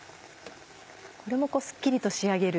これもすっきりと仕上げる。